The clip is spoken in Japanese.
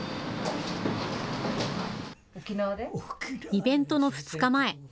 イベントの２日前。